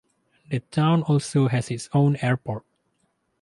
The town also has its own airport.